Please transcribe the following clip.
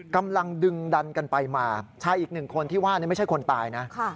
กำลังดึงดันกันไปมาชายอีกหนึ่งคนที่ว่านี่ไม่ใช่คนตายนะ